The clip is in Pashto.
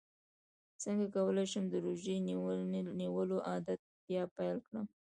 څنګه کولی شم د روژې نیولو عادت بیا پیل کړم